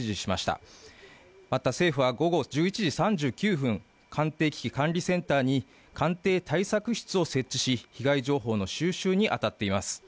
また政府は午後１１時３９分、官邸危機管理センターに官邸対策室を設置し、被害情報の収集にあたっています。